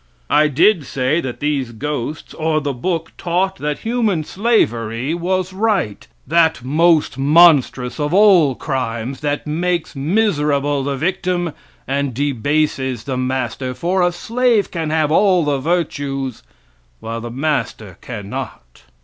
I did say that these ghosts, or the book, taught that human slavery was right, that most monstrous of all crimes, that makes miserable the victim and debases the master, for a slave can have all the virtues while the master can not.